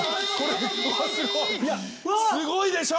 すごいでしょ！